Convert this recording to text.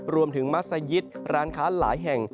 รวมถึงมัศยิตร้านค้าหลายแห่ง